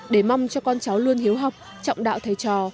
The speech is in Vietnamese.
để mong cho con cháu luôn hiếu học trọng đạo thầy trò